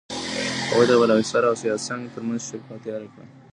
هغوی د بالاحصار او سیاه سنگ ترمنځ شپه تېره کړه.